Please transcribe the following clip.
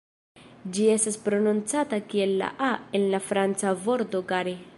Ĝi estas prononcata kiel la "a" en la franca vorto "gare".